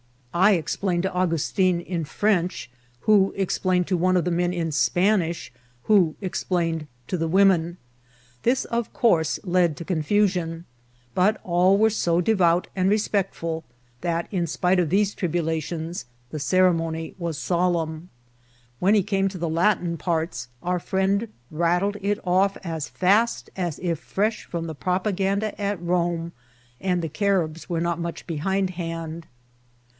I explained to Augustin in French, who explained to one of the men in Span ish, who explained to the women. This, of course, led, to confusion ; but all were so devout and respectful, that, in spite of these tribulations, the ceremony was solemn. Whe;i he came to the Latin parts, our firiend rattled it off as fast as if fresh from the Propaganda at Borne, and the Caribs were not much behindhand.